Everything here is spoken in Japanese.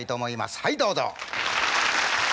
はいどうぞ。